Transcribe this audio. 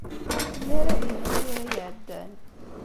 Ur telli ara din ayyur-a iɛeddan.